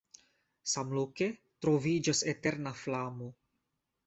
Samloke troviĝas eterna flamo.